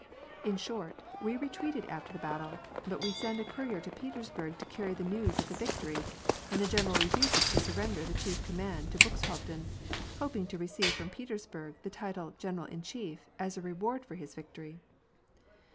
In short, we retreat after the battle, but we send a courier to Petersburg to carry the news of the victory, and the general refuses to surrender the chief command to Buxhovden, hoping to receive from Petersburg the title of general in chief as a reward for his victory.